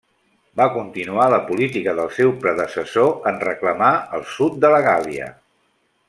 Va continuar la política del seu predecessor en reclamar el sud de la Gàl·lia.